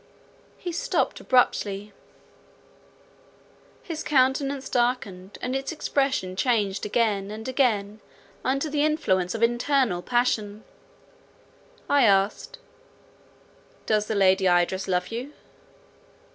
— He stopped abruptly, his countenance darkened, and its expression changed again and again under the influence of internal passion. I asked, "Does Lady Idris love you?"